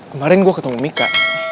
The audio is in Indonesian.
kemarin gue ketemu mika